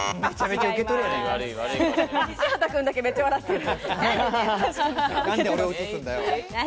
西畑君だけめっちゃ笑ってる。